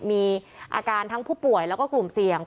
มีอาการทั้งผู้ป่วยแล้วก็กลุ่มเสี่ยง